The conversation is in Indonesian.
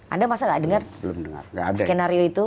anda masa nggak dengar skenario itu